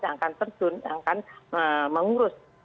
yang akan terjun yang akan mengurus